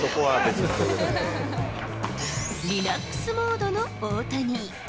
リラックスモードの大谷。